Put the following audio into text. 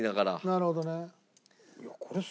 なるほどね。